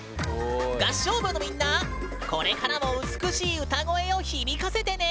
合唱部のみんなこれからも美しい歌声を響かせてね！